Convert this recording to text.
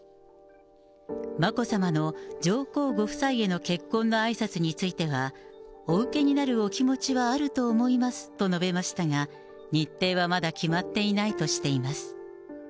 眞子さまの上皇ご夫妻への結婚のあいさつについては、お受けになるお気持ちはあると思いますと述べましたが、日程はまだ決まっていないとしています。